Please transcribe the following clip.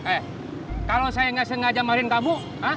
eh kalau saya nggak sengaja marahin kamu